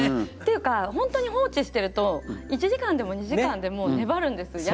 ていうかほんとに放置してると１時間でも２時間でも粘るんです。